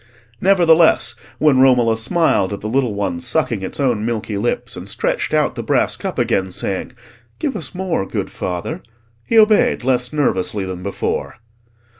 Nevertheless, when Romola smiled at the little one sucking its own milky lips, and stretched out the brass cup again, saying, "Give us more, good father," he obeyed less nervously than before.